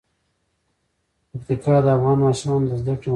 پکتیکا د افغان ماشومانو د زده کړې موضوع ده.